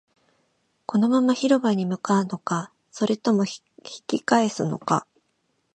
このまま広場に向かうのか、それとも引き返すのか